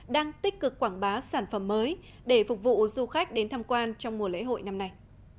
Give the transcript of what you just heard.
đang tích cực quảng bá sản phẩm mới để phục vụ du khách đến tham quan trong mùa lễ hội năm nay